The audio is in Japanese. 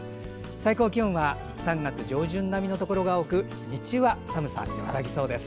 最高気温は３月上旬並みのところが多く日中は寒さ、和らぎそうです。